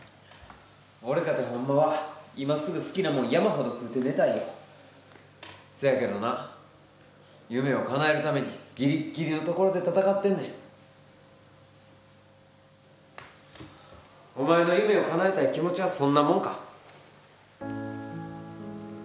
俺かてほんまは今すぐ好きなもん山ほど食って寝たいよせやけどな夢をかなえるためにギリッギリのところで闘ってんねんお前の夢をかなえたい気持ちはそんなもんか？